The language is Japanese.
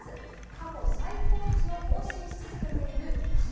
過去最高値を更新し続けている金。